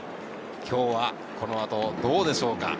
今日はこの後どうでしょうか。